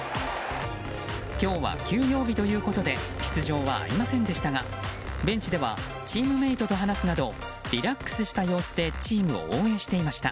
今日は休養日ということで出場はありませんでしたがベンチではチームメートと話すなどリラックスした様子でチームを応援していました。